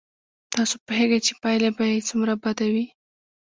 تاسو پوهېږئ چې پایله به یې څومره بد وي.